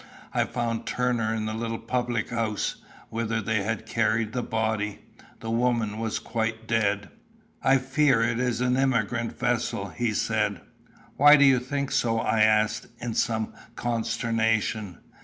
I found Turner in the little public house, whither they had carried the body. The woman was quite dead. "I fear it is an emigrant vessel," he said. "Why do you think so?" I asked, in some consternation.